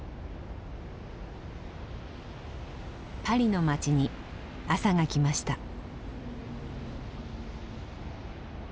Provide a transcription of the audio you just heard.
パリの街に朝が来ました。